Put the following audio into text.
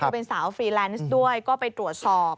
คือเป็นสาวฟรีแลนซ์ด้วยก็ไปตรวจสอบ